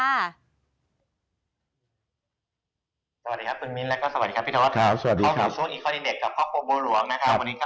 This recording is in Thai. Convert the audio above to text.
สวัสดีครับคุณมิ้นและก็สวัสดีครับพี่ท้อส